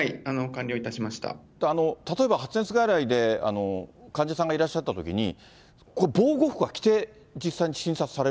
例えば、発熱外来で患者さんがいらっしゃったときに防護服は着て、はい。